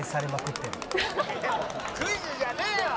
クイズじゃねえよ！